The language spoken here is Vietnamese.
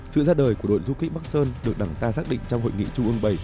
sự ra đời của đội du kích bắc sơn được đảng ta xác định trong hội nghị trung ương bảy